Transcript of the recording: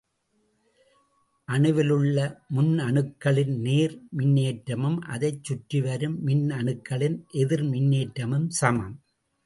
அணுவிலுள்ள முன்னணுக்களின் நேர் மின்னேற்றமும் அதைச் சுற்றிவரும் மின்னணுக்களின் எதிர் மின்னேற்றமும் சமம்.